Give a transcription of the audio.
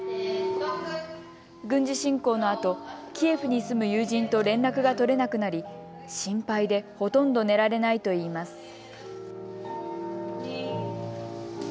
軍事侵攻のあとキエフに住む友人と連絡が取れなくなり心配でほとんど寝られないといいます。